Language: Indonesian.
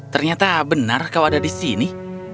ternyata benar kau ada di sini